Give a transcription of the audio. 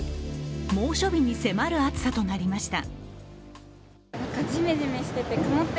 猛暑日に迫る暑さとなりました。